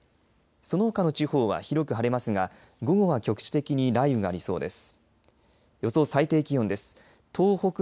そのほかの地方は広く晴れますが午後は局地的に雷雨がありそうです。